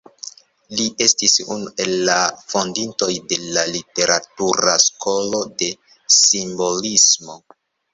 Li estis unu el la fondintoj de la literatura skolo de simbolismo.